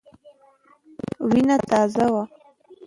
وینه تازه وه.